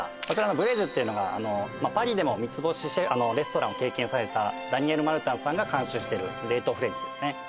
こちらのブレジュっていうのがパリでも三ツ星レストランを経験されたダニエル・マルタンさんが監修している冷凍フレンチですね